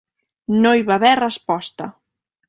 No hi va haver resposta.